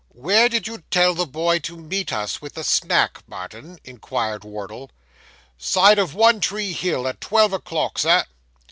'Where did you tell the boy to meet us with the snack, Martin?' inquired Wardle. 'Side of One tree Hill, at twelve o'clock, Sir.